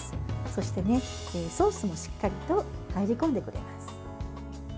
そしてソースがしっかりと入り込んでくれます。